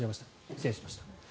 失礼しました。